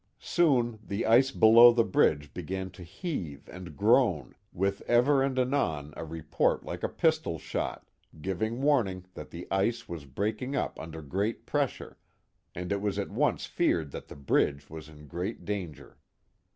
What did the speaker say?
Soon the ice below the bridge began to heave and groan, with ever and anon a report like a pistol shot, giving warning that the ice was breaking up under great pressure, and it was at once feared that the bridge was in great danger.